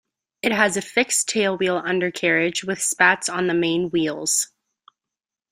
It has a fixed tailwheel undercarriage with spats on the main wheels.